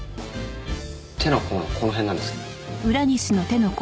手の甲のこの辺なんですけど。